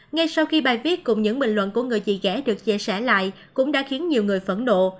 ngay sau khi bài viết cùng những bình luận của người dì ghẻ được chia sẻ lại cũng đã khiến nhiều người phẫn nộ